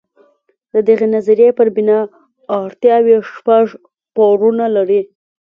د دغې نظریې پر بنا اړتیاوې شپږ پوړونه لري.